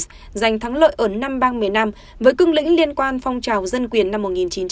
george w bush giành thắng lợi ở năm bang miền nam với cưng lĩnh liên quan phong trào dân quyền năm một nghìn chín trăm sáu mươi tám